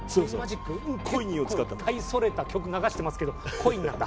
結構大それた曲流してますけどコインなんだ。